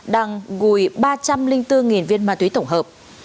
đang gùi ba trăm linh bốn viên ma túy tổng hợp